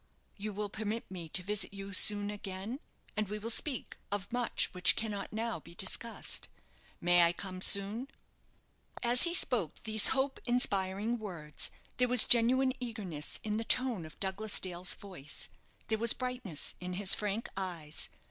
"You will permit me to visit you soon again, and we will speak of much which cannot now be discussed. May I come soon?" As he spoke these hope inspiring words, there was genuine eagerness in the tone of Douglas Dale's voice, there was brightness in his frank eyes.